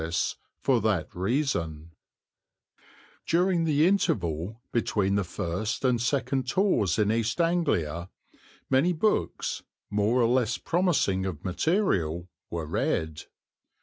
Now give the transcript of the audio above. [Illustration: IPSWICH PORT] During the interval between the first and second tours in East Anglia many books, more or less promising of material, were read.